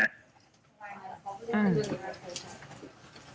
อืม